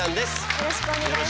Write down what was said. よろしくお願いします。